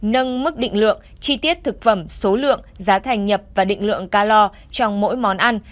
nâng mức định lượng chi tiết thực phẩm số lượng giá thành nhập và định lượng calor trong mỗi món ăn